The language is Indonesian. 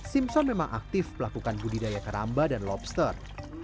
simpson memang aktif melakukan budidaya keramba dan lobster